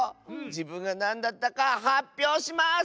じぶんがなんだったかはっぴょうします！